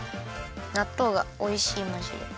なっとうがおいしいまじで。